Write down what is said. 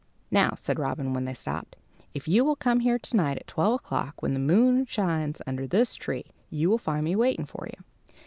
"Now," said Robin when they stopped, "if you will come here to night at twelve o'clock, when the moon shines under this tree, you will find me waiting for you.